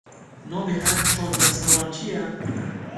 Nevê her çar demsalan çi ye?